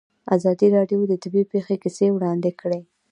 ازادي راډیو د طبیعي پېښې کیسې وړاندې کړي.